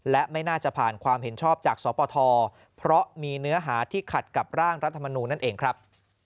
และไม่น่าจะผ่านความเห็นชอบจากสปทเพราะมีเนื้อหาที่ขัดกับร่างรัฐมนูลนั่นเองครับ